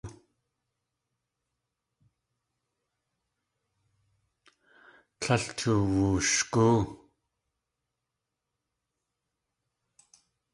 Tlél tuwushgóo.